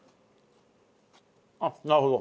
あっなるほど。